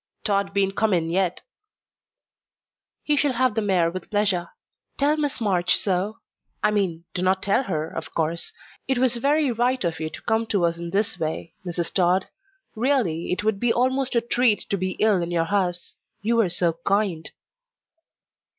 "Tod bean't come in yet." "He shall have the mare with pleasure. Tell Miss March so I mean, do not tell her, of course. It was very right of you to come to us in this way, Mrs. Tod. Really, it would be almost a treat to be ill in your house you are so kind."